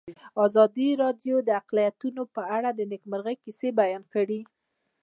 ازادي راډیو د اقلیتونه په اړه د نېکمرغۍ کیسې بیان کړې.